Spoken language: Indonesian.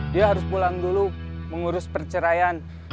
dia harus pulang dulu mengurus perceraian